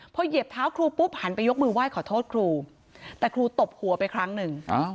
พอเหยียบเท้าครูปุ๊บหันไปยกมือไหว้ขอโทษครูแต่ครูตบหัวไปครั้งหนึ่ง